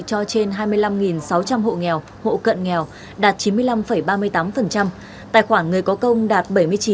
cho trên hai mươi năm sáu trăm linh hộ nghèo hộ cận nghèo đạt chín mươi năm ba mươi tám tài khoản người có công đạt bảy mươi chín bảy